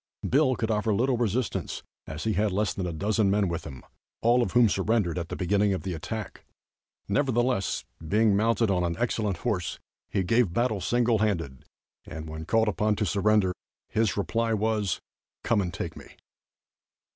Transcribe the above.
Bill could offer little resistance, as he had less than a dozen men with him, all of whom surrendered at the beginning of the attack. Nevertheless, being mounted on an excellent horse, he gave battle single handed, and when called upon to surrender, his reply was: "Come and take me."